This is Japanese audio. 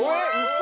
嘘！